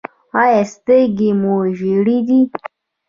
ایا سترګې مو ژیړې دي؟